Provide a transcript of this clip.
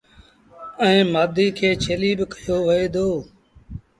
ائيٚݩ مآڌي کي ڇيليٚ ڪهيو وهي دو۔